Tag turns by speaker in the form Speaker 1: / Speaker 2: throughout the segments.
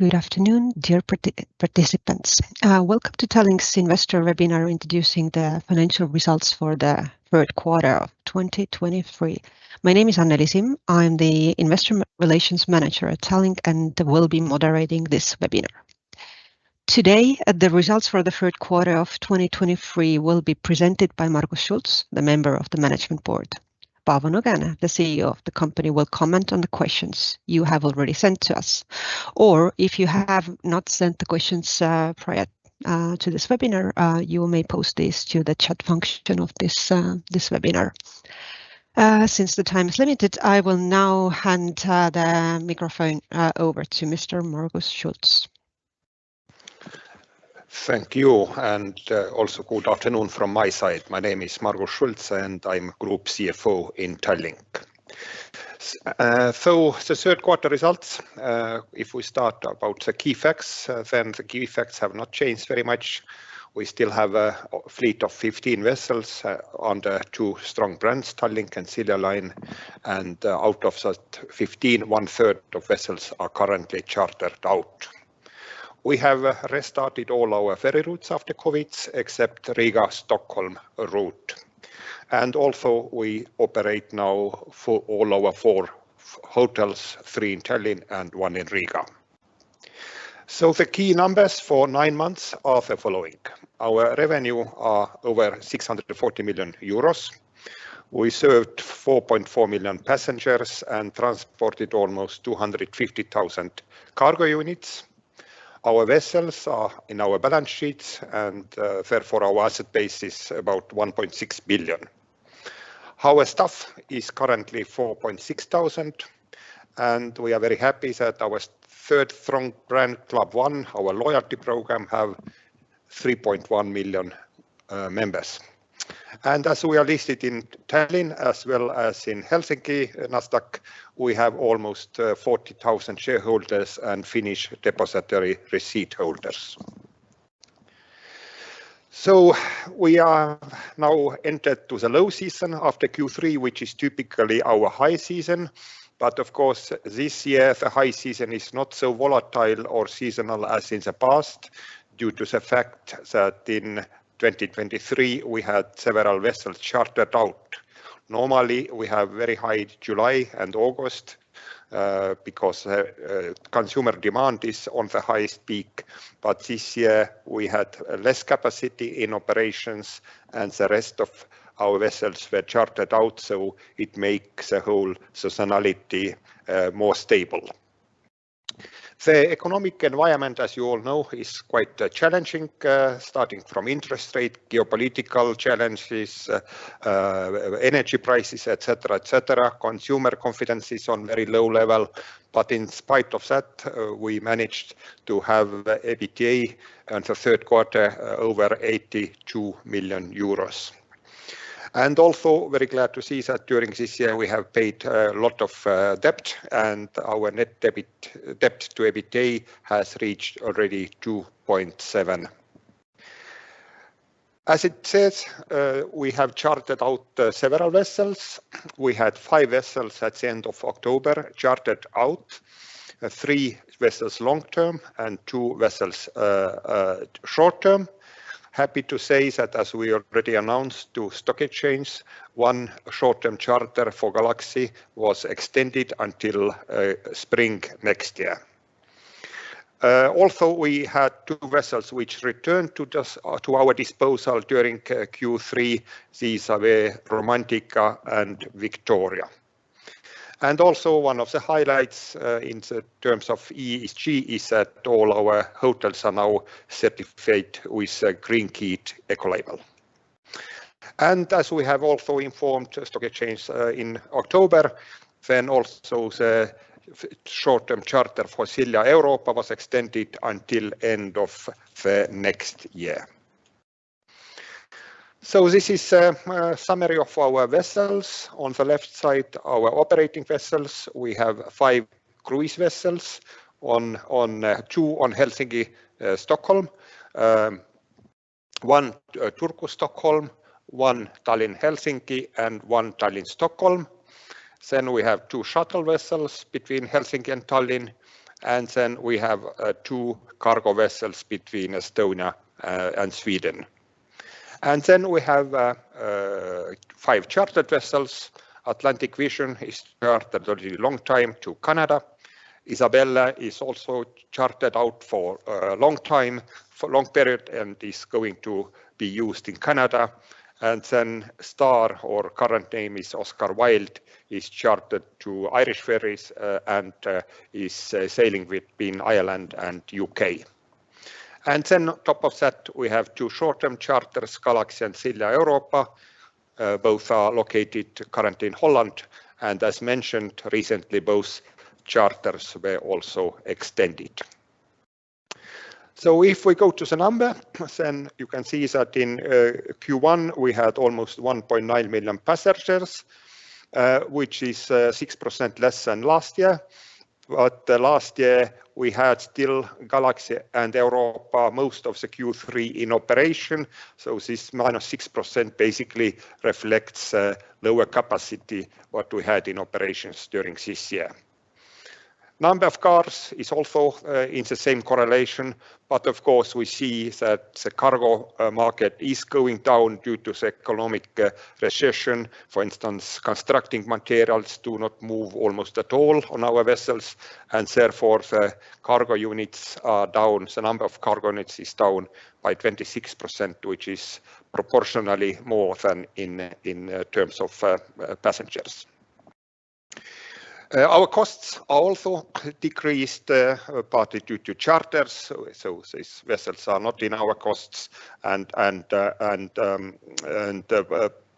Speaker 1: Good afternoon, dear participants. Welcome to Tallink's investor webinar, introducing the financial results for the third quarter of 2023. My name is Anneli Simm. I'm the Investor Relations Manager at Tallink, and will be moderating this webinar. Today, the results for the third quarter of 2023 will be presented by Margus Schults, the member of the management board. Paavo Nõgene, the CEO of the company, will comment on the questions you have already sent to us. Or if you have not sent the questions prior to this webinar, you may post this to the chat function of this webinar. Since the time is limited, I will now hand the microphone over to Mr. Margus Schults.
Speaker 2: Thank you, and, also good afternoon from my side. My name is Margus Schults, and I'm Group CFO in Tallink. So the third quarter results, if we start about the key facts, then the key facts have not changed very much. We still have a fleet of 15 vessels, under two strong brands, Tallink and Silja Line, and out of that 15, one third of vessels are currently chartered out. We have restarted all our ferry routes after COVID, except Riga-Stockholm route, and also we operate now for all our four hotels, three in Tallinn and one in Riga. So the key numbers for nine months are the following: Our revenue are over 640 million euros. We served 4.4 million passengers and transported almost 250,000 cargo units. Our vessels are in our balance sheets, and therefore, our asset base is about 1.6 billion. Our staff is currently 4,600, and we are very happy that our third strong brand, Club One, our loyalty program, have 3.1 million members. And as we are listed in Tallinn as well as in Helsinki, Nasdaq, we have almost 40,000 shareholders and Finnish Depository Receipt holders. So we are now entered to the low season after Q3, which is typically our high season, but of course, this year, the high season is not so volatile or seasonal as in the past, due to the fact that in 2023, we had several vessels chartered out. Normally, we have very high July and August, because consumer demand is on the highest peak, but this year we had less capacity in operations, and the rest of our vessels were chartered out, so it makes the whole seasonality more stable. The economic environment, as you all know, is quite challenging, starting from interest rate, geopolitical challenges, energy prices, et cetera, et cetera. Consumer confidence is on very low level, but in spite of that, we managed to have EBITDA in the third quarter over 82 million euros. Also very glad to see that during this year we have paid a lot of debt, and our net debt to EBITDA has reached already 2.7. As it says, we have chartered out several vessels. We had five vessels at the end of October, chartered out, three vessels long term and two vessels short term. Happy to say that as we already announced to stock exchange, one short-term charter for Galaxy was extended until spring next year. Also, we had two vessels which returned to just to our disposal during Q3. These are the Romantika and Victoria. And also one of the highlights in the terms of ESG is that all our hotels are now certified with a Green Key eco label. And as we have also informed stock exchange in October, then also the short-term charter for Silja Europa was extended until end of the next year. So this is a summary of our vessels. On the left side, our operating vessels, we have five cruise vessels on two on Helsinki-Stockholm, one Turku-Stockholm, one Tallinn-Helsinki, and one Tallinn-Stockholm. Then we have two shuttle vessels between Helsinki and Tallinn, and then we have two cargo vessels between Estonia and Sweden. And then we have five chartered vessels. Atlantic Vision is chartered a long time to Canada. Isabelle is also chartered out for a long time, for long period, and is going to be used in Canada. And then Star, or current name is Oscar Wilde, is chartered to Irish Ferries and is sailing between Ireland and U.K. And then on top of that, we have two short-term charters, Galaxy and Silja Europa. Both are located currently in Holland, and as mentioned recently, both charters were also extended. So if we go to the number, then you can see that in Q1, we had almost 1.9 million passengers, which is 6% less than last year. But the last year, we had still Galaxy and Europa most of the Q3 in operation, so this minus 6% basically reflects lower capacity what we had in operations during this year. Number of cars is also in the same correlation, but of course, we see that the cargo market is going down due to the economic recession. For instance, construction materials do not move almost at all on our vessels, and therefore, the cargo units are down. The number of cargo units is down by 26%, which is proportionally more than in terms of passengers. Our costs are also decreased partly due to charters. So these vessels are not in our costs and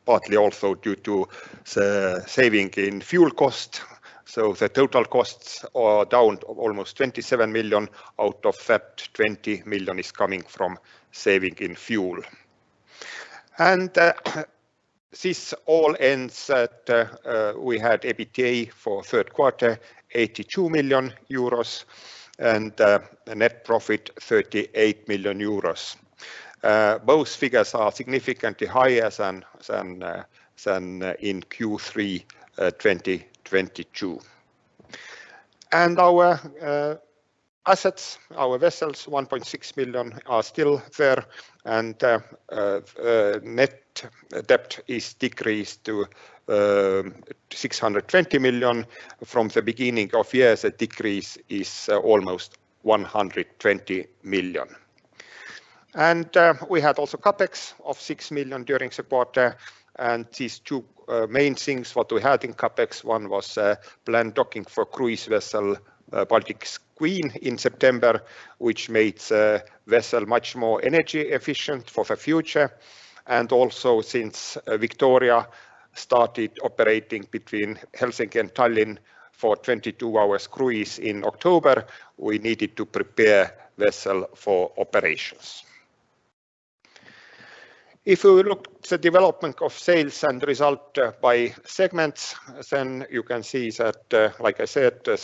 Speaker 2: partly also due to the saving in fuel cost. So the total costs are down almost 27 million. Out of that, 20 million is coming from saving in fuel. And this all ends that we had EBITDA for third quarter, 82 million euros and the net profit, 38 million euros. Both figures are significantly higher than in Q3 2022. And our assets, our vessels, 1.6 million, are still there and net debt is decreased to 620 million. From the beginning of year, the decrease is almost 120 million. We had also CapEx of 6 million during the quarter, and these two main things what we had in CapEx, one was planned docking for cruise vessel Baltic Queen in September, which made the vessel much more energy efficient for the future. Also, since Victoria started operating between Helsinki and Tallinn for 22-hour cruise in October, we needed to prepare vessel for operations. If we look the development of sales and result by segments, then you can see that, like I said, the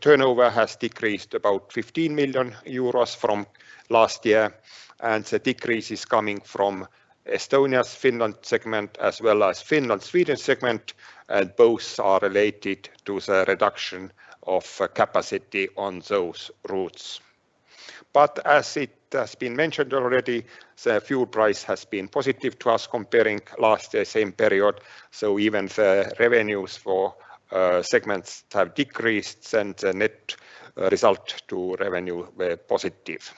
Speaker 2: turnover has decreased about 15 million euros from last year, and the decrease is coming from Estonia-Finland segment, as well as Finland-Sweden segment, and both are related to the reduction of capacity on those routes. But as it has been mentioned already, the fuel price has been positive to us comparing last year, same period, so even the revenues for segments have decreased and the net result to revenue were positive.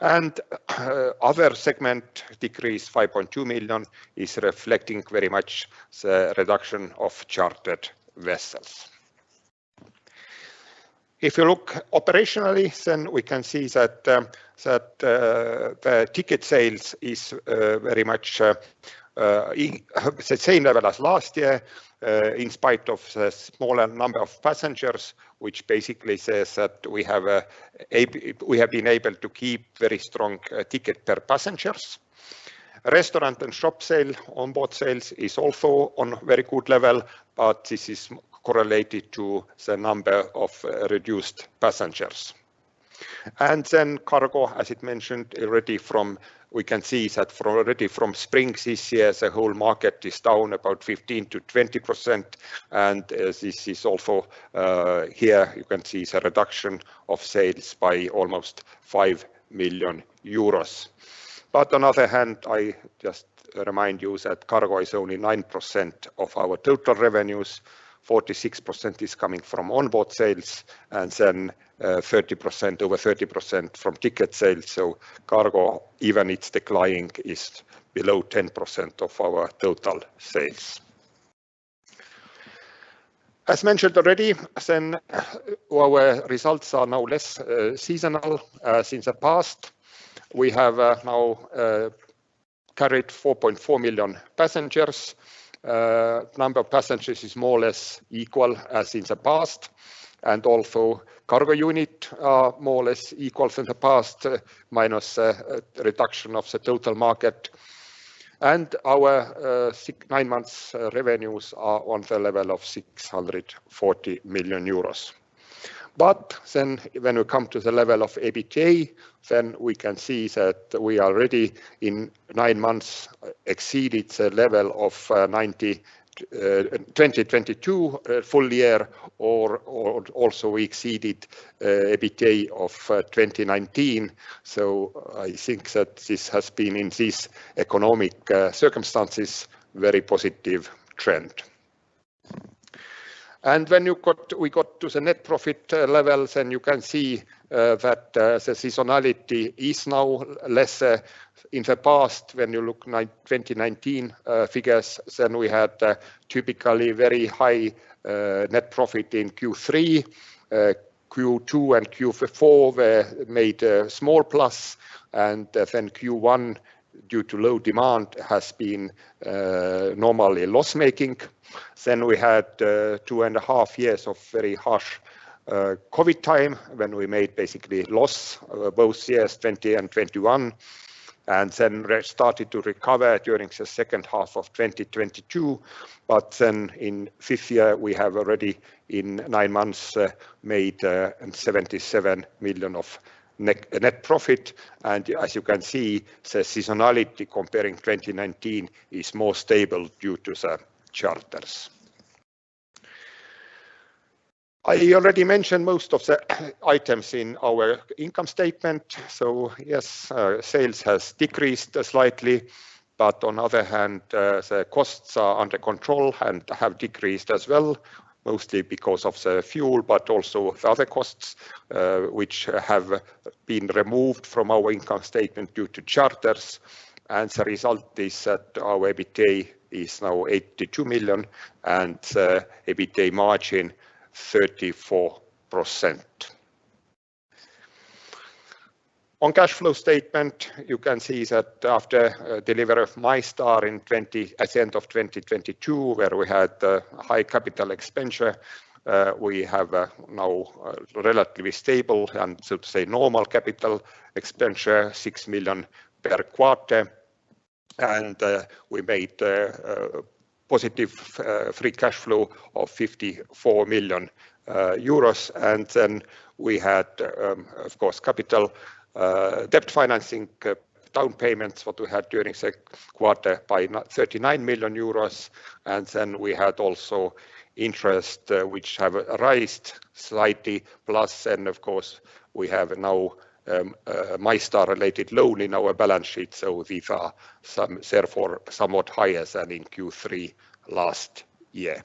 Speaker 2: Other segment decrease, 5.2 million, is reflecting very much the reduction of chartered vessels. If you look operationally, then we can see that the ticket sales is very much in the same level as last year, in spite of the smaller number of passengers, which basically says that we have been able to keep very strong ticket per passengers. Restaurant and shop sale, on-board sales, is also on very good level, but this is correlated to the number of reduced passengers. Cargo, as it mentioned already from. We can see that from already from spring this year, the whole market is down about 15%-20%, and this is also here, you can see the reduction of sales by almost 5 million euros. But on the other hand, I just remind you that cargo is only 9% of our total revenues. 46% is coming from on-board sales, and then 30%, over 30% from ticket sales. So cargo, even it's declining, is below 10% of our total sales. As mentioned already, then our results are now less seasonal since the past. We have now carried 4.4 million passengers. Number of passengers is more or less equal as in the past, and also cargo unit more or less equal to the past, minus reduction of the total market. And our six- and nine-months revenues are on the level of 640 million euros. But then when we come to the level of EBITDA, then we can see that we already in nine months exceeded the level of 90, 2022 full year or also we exceeded EBITDA of 2019. So I think that this has been in these economic circumstances, very positive trend. And when we got to the net profit levels, and you can see that the seasonality is now less in the past, when you look 2019 figures, then we had typically very high net profit in Q3, Q2 and Q4 were made a small plus, and then Q1, due to low demand, has been normally loss-making. We had two and a half years of very harsh COVID time when we made basically loss both years, 2020 and 2021, and then started to recover during the second half of 2022. But then in this year, we have already in nine months made 77 million net profit. And as you can see, the seasonality comparing 2019 is more stable due to the charters. I already mentioned most of the items in our income statement. So yes, sales has decreased slightly, but on other hand the costs are under control and have decreased as well, mostly because of the fuel, but also other costs which have been removed from our income statement due to charters. And the result is that our EBITDA is now 82 million, and EBITDA margin 34%. On cash flow statement, you can see that after delivery of MyStar at the end of 2022, where we had high capital expenditure, we have now relatively stable and so to say, normal capital expenditure, 6 million per quarter. And we made positive free cash flow of 54 million euros. And then we had, of course, capital debt financing down payments, what we had during the quarter by 39 million euros. And then we had also interest, which have risen slightly plus, and of course, we have now MyStar-related loan in our balance sheet, so these are some therefore, somewhat higher than in Q3 last year.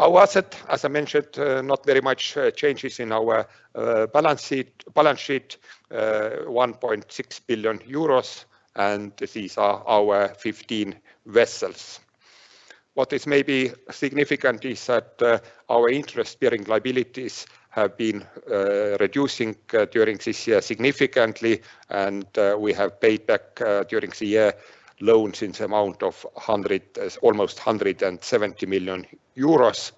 Speaker 2: Our asset, as I mentioned, not very much changes in our balance sheet, 1.6 billion euros, and these are our 15 vessels. What is maybe significant is that, our interest-bearing liabilities have been reducing during this year significantly, and we have paid back during the year, loans in the amount of almost 170 million euros.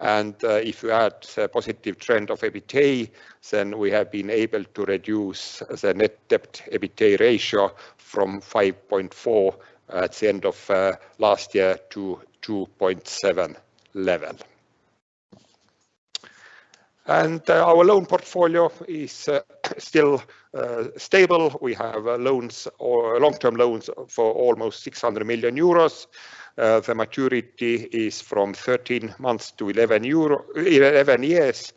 Speaker 2: If you add a positive trend of EBITDA, then we have been able to reduce the net debt EBITDA ratio from 5.4 at the end of last year to 2.7 level. Our loan portfolio is still stable. We have loans or long-term loans for almost 600 million euros. The maturity is from 13 months to 11 years,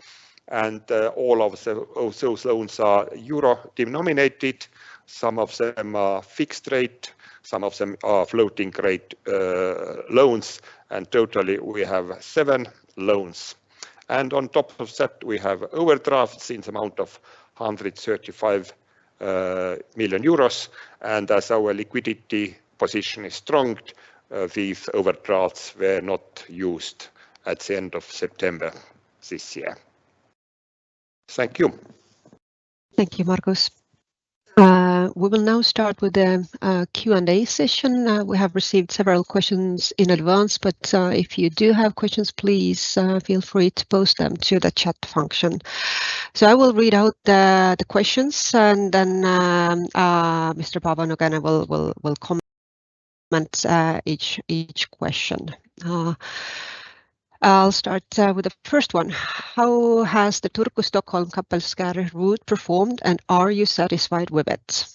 Speaker 2: and all of the those loans are euro-denominated. Some of them are fixed rate, some of them are floating rate loans, and totally, we have seven loans. On top of that, we have overdrafts in the amount of 135 million euros, and as our liquidity position is strong, these overdrafts were not used at the end of September this year. Thank you.
Speaker 1: Thank you, Margus. We will now start with the Q and A session. We have received several questions in advance, but if you do have questions, please feel free to post them to the chat function. I will read out the questions, and then Mr. Paavo Nõgene will comment each question. I'll start with the first one: How has the Turku-Stockholm Kapellskär route performed, and are you satisfied with it?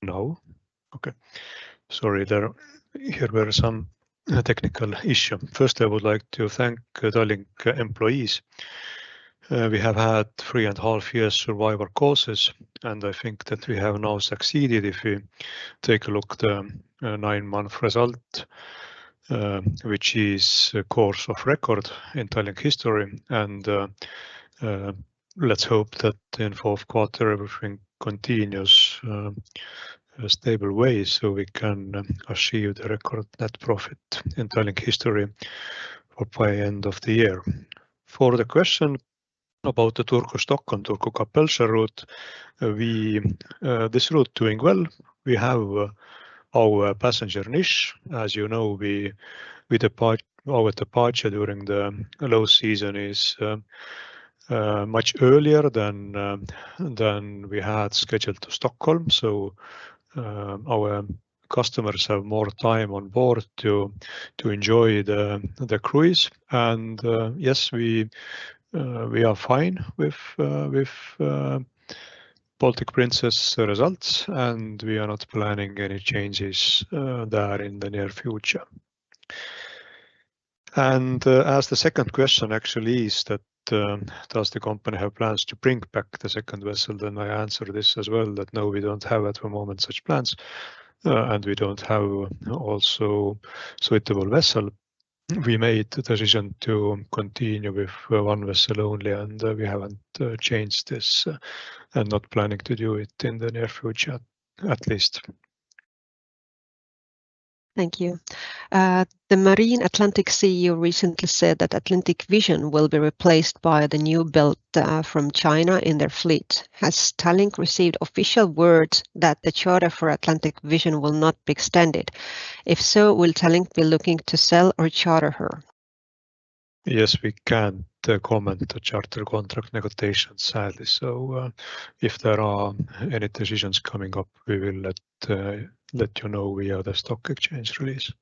Speaker 3: No? Okay. Sorry, there were some technical issue. First, I would like to thank Tallink employees. We have had three and half years survival courses, and I think that we have now succeeded, if you take a look the nine-month result, which is a course of record in Tallink history. Let's hope that in fourth quarter, everything continues a stable way, so we can achieve the record net profit in Tallink history for by end of the year. For the question about the Turku-Stockholm, Turku Kapellskär route, we this route doing well. We have our passenger niche. As you know, we depart, our departure during the low season is much earlier than we had scheduled to Stockholm. So, our customers have more time on board to enjoy the cruise, and yes, we are fine with Baltic Princess results, and we are not planning any changes there in the near future. As the second question actually is that, does the company have plans to bring back the second vessel? Then I answer this as well, that no, we don't have at the moment such plans, and we don't have also suitable vessel. We made the decision to continue with one vessel only, and we haven't changed this, and not planning to do it in the near future, at least.
Speaker 1: Thank you. The Marine Atlantic CEO recently said that Atlantic Vision will be replaced by the new build from China in their fleet. Has Tallink received official word that the charter for Atlantic Vision will not be extended? If so, will Tallink be looking to sell or charter her?
Speaker 3: Yes, we can't comment the charter contract negotiation, sadly. So, if there are any decisions coming up, we will let you know via the stock exchange release.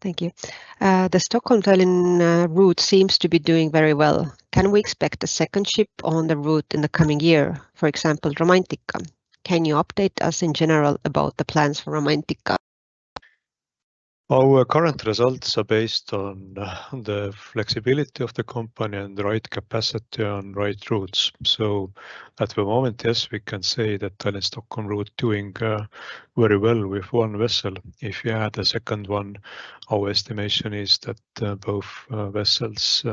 Speaker 1: Thank you. The Stockholm-Tallinn route seems to be doing very well. Can we expect a second ship on the route in the coming year, for example, Romantika? Can you update us in general about the plans for Romantika?
Speaker 3: Our current results are based on the flexibility of the company and the right capacity on right routes. So at the moment, yes, we can say that Tallinn-Stockholm route doing very well with one vessel. If you add a second one, our estimation is that both vessels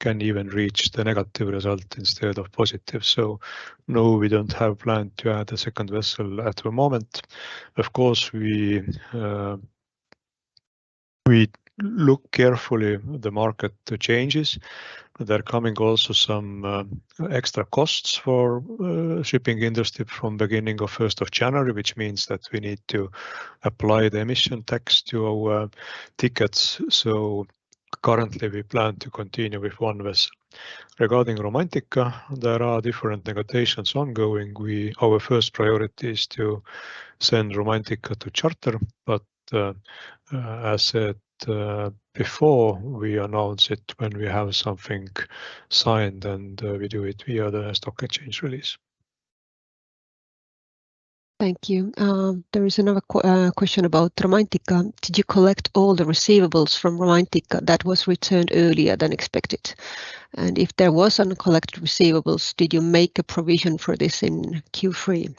Speaker 3: can even reach the negative result instead of positive. So no, we don't have plan to add a second vessel at the moment. Of course, we look carefully the market, the changes. There are coming also some extra costs for shipping industry from beginning of 1st of January, which means that we need to apply the emission tax to our tickets. So currently, we plan to continue with one vessel. Regarding Romantika, there are different negotiations ongoing. Our first priority is to send Romantika to charter, but, as said, before we announce it, when we have something signed and we do it via the stock exchange release.
Speaker 1: Thank you. There is another question about Romantika. Did you collect all the receivables from Romantika that was returned earlier than expected? And if there was uncollected receivables, did you make a provision for this in Q3?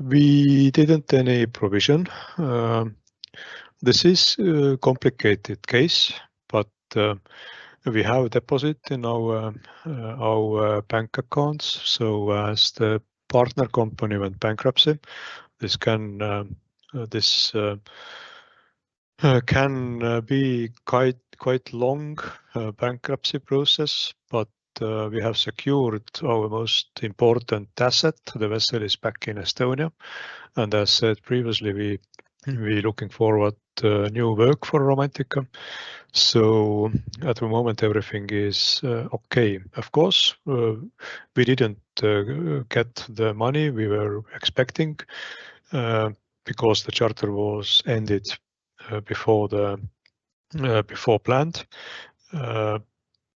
Speaker 3: We didn't any provision. This is a complicated case, but we have a deposit in our bank accounts. So as the partner company went bankruptcy, this can be quite, quite long bankruptcy process, but we have secured our most important asset. The vessel is back in Estonia, and as said previously, we're looking forward new work for Romantika. So at the moment, everything is okay. Of course, we didn't get the money we were expecting because the charter was ended before planned.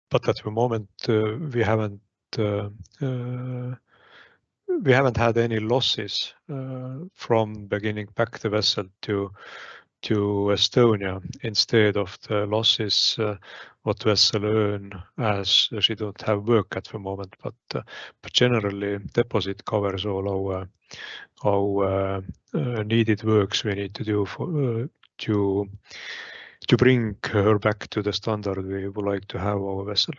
Speaker 3: But at the moment, we haven't had any losses from beginning back the vessel to Estonia, instead of the losses what vessel earn, as she don't have work at the moment. But generally, deposit covers all our needed works we need to do to bring her back to the standard we would like to have our vessel.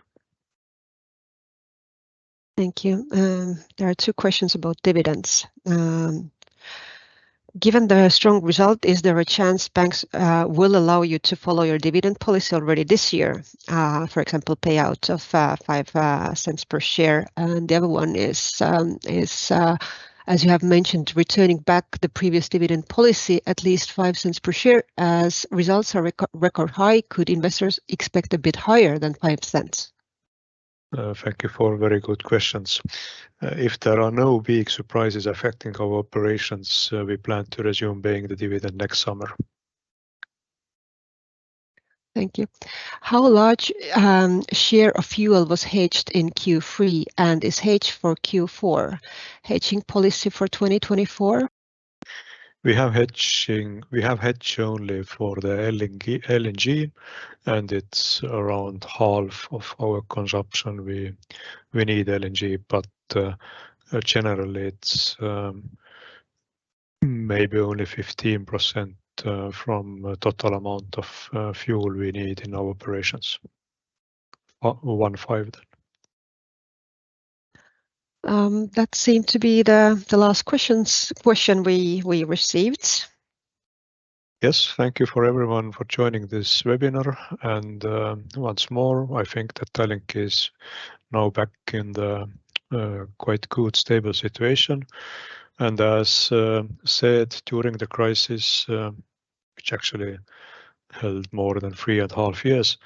Speaker 1: Thank you. There are two questions about dividends. Given the strong result, is there a chance banks will allow you to follow your dividend policy already this year? For example, payout of 0.05 per share. And the other one is, as you have mentioned, returning back the previous dividend policy, at least 0.05 per share, as results are record high, could investors expect a bit higher than 0.05?
Speaker 3: Thank you for very good questions. If there are no big surprises affecting our operations, we plan to resume paying the dividend next summer.
Speaker 1: Thank you. How large, share of fuel was hedged in Q3, and is hedged for Q4? Hedging policy for 2024?
Speaker 3: We have hedging. We have hedged only for the LNG, LNG, and it's around half of our consumption. We need LNG, but generally, it's maybe only 15% from total amount of fuel we need in our operations.
Speaker 1: That seemed to be the last question we received.
Speaker 3: Yes, thank you for everyone for joining this webinar. Once more, I think that Tallink is now back in the quite good, stable situation. And as said, during the crisis, which actually held more than 3.5 years,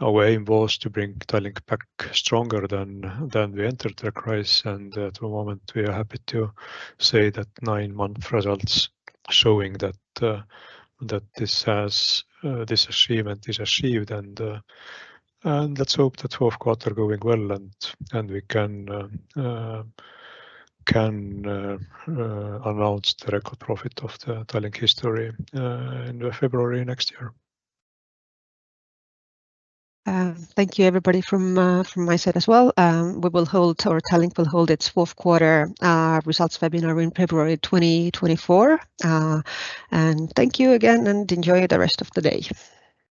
Speaker 3: our aim was to bring Tallink back stronger than we entered the crisis. And at the moment, we are happy to say that nine-month results showing that this has, this achievement is achieved. And let's hope the fourth quarter going well, and we can announce the record profit of the Tallink history in February next year.
Speaker 1: Thank you, everybody, from my side as well. We will hold, or Tallink will hold its fourth quarter results webinar in February 2024. Thank you again, and enjoy the rest of the day.